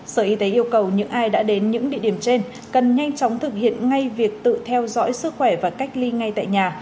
sở y tế yêu cầu những ai đã đến những địa điểm trên cần nhanh chóng thực hiện ngay việc tự theo dõi sức khỏe và cách ly ngay tại nhà